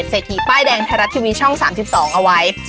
ทีป้ายแดงไทยรัฐทีวีช่อง๓๒เอาไว้